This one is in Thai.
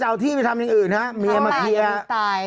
จะเอาที่มาทำอย่างอื่นครับเมียมาเคลียร์อเรียกจะตาย